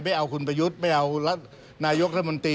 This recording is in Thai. ไม่เอาคุณประยุทธ์ไม่เอานายกรัฐมนตรี